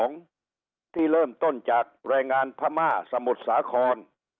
การระบาดรอบ๒ที่เริ่มต้นจากแรงงานพม่าสมุทรสาคร